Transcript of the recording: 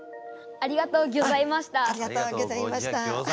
ありがとうギョざいました。